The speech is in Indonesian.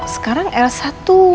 sekarang elsa tuh